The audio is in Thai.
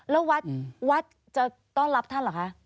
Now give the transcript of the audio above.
แล้ววัดวัดจะต้อนรับท่านเหรอคะ